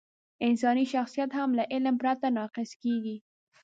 انساني شخصیت هم له علم پرته ناقص کېږي.